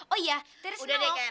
oh iya terisno